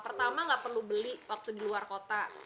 pertama nggak perlu beli waktu di luar kota